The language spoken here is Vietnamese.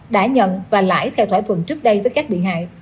đã nhận và lãi theo thỏa thuận trước đây với các bị hại